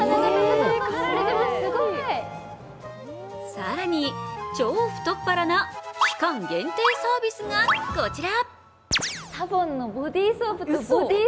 更に、超太っ腹な期間限定サービスがこちら。